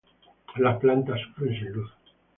Las plantas sufren sin luz.